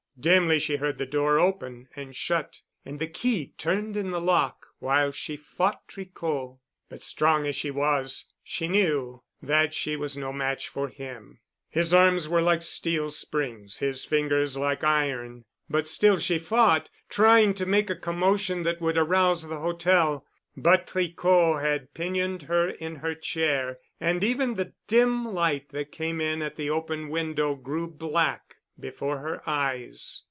Dimly she heard the door open and shut and the key turned in the lock, while she fought Tricot. But strong as she was, she knew, that she was no match for him. His arms were like steel springs, his fingers like iron. But still she fought, trying to make a commotion that would arouse the hotel. But Tricot had pinioned her in her chair and even the dim light that came in at the open, window grew black before her eyes.